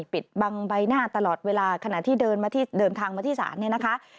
ปิดบังใบหน้าตลอดเวลาขณะที่เดินทางมาที่สารนี่นะคะ